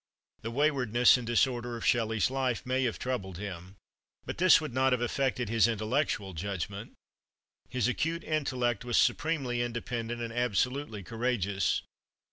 The waywardness and disorder of Shelley's life may have troubled him. But this would not have affected his intellectual judgment. His acute intellect was supremely independent and absolutely courageous.